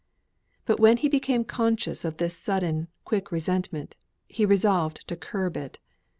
But when he became conscious of this sudden, quick resentment, he resolved to curb it.